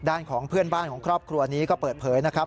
ของเพื่อนบ้านของครอบครัวนี้ก็เปิดเผยนะครับ